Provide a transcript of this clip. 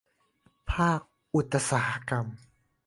ภาคอุตสาหกรรม